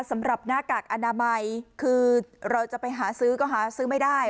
หน้ากากอนามัยคือเราจะไปหาซื้อก็หาซื้อไม่ได้